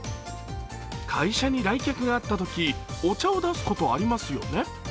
会社に来客があったときお茶を出すことありますよね。